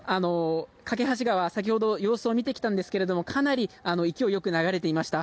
梯川、先ほど様子を見てきたんですけれどもかなり勢い良く流れていました。